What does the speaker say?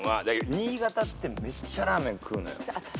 新潟ってめっちゃラーメン食うのよ。